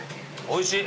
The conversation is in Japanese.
おいしい。